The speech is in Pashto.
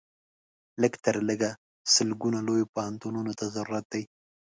لږ تر لږه سلګونو لویو پوهنتونونو ته ضرورت دی.